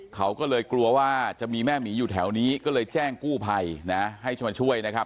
เขาก็เลยกลัวว่าจะมีแม่หมีอยู่แถวนี้ก็เลยแจ้งกู้ภัยนะให้จะมาช่วยนะครับ